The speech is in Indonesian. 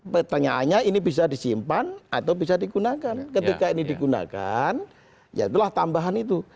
pertanyaannya ini bisa disimpan atau bisa digunakan ketika ini digunakan ya itulah tambahan itu